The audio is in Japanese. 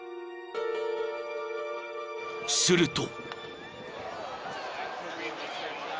［すると］